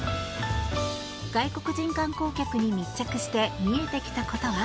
外国人観光客に密着して見えてきたことは？